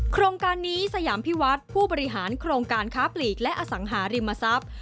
โครงการนี้สยามพิวัฒน์ผู้บริหารโครงการค้าปลีกและอสังหาริมทรัพย์